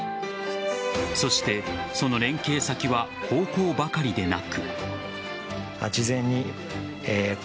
そして、その連携先は高校ばかりでなく。